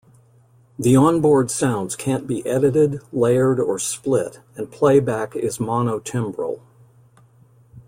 The onboard sounds can't be edited, layered or split, and playback is mono-timbral.